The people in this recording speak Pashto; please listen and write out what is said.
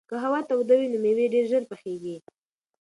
که هوا توده وي نو مېوې ډېرې ژر پخېږي.